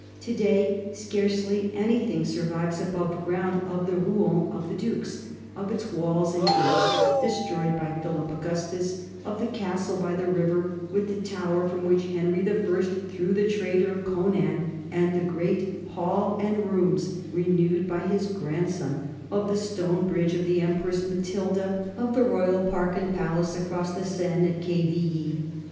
To day scarcely anything survives above ground of the Rouen of the dukes of its walls and gates, destroyed by Philip Augustus, of the castle by the river, with the tower from which Henry I threw the traitor Conan and the great hall and rooms renewed by his grandson, of the stone bridge of the Empress Matilda, of the royal park and palace across the Seine at Quevilly.